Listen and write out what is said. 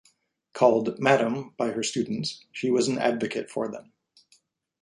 Called "Madam" by her students, she was an advocate for them.